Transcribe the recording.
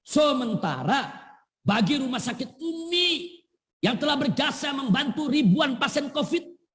sementara bagi rumah sakit umi yang telah berjasa membantu ribuan pasien covid